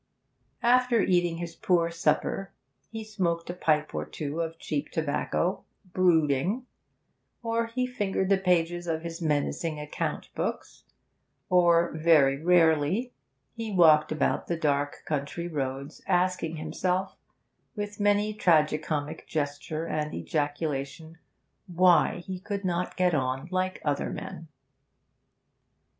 After eating his poor supper, he smoked a pipe or two of cheap tobacco, brooding; or he fingered the pages of his menacing account books; or, very rarely, he walked about the dark country roads, asking himself, with many a tragi comic gesture and ejaculation, why he could not get on like other men.